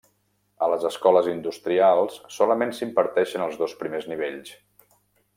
A les escoles industrials solament s'imparteixen els dos primers nivells.